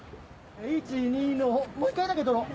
イチニのもう１回だけ撮ろう。